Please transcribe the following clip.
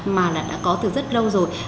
mà là đã có từ rất lâu rồi